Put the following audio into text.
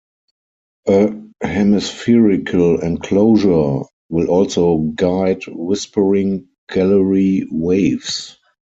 A hemispherical enclosure will also guide whispering gallery waves.